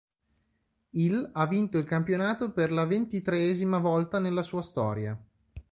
Il ha vinto i campionato per la ventitreesima volta nella sua storia.